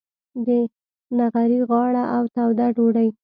د نغري غاړه او توده ډوډۍ.